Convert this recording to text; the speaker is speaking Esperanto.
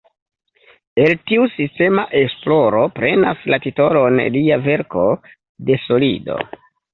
El tiu sistema esploro prenas la titolon lia verko "De solido".